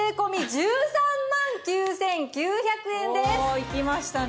おいきましたね。